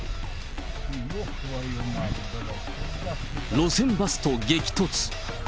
路線バスと激突。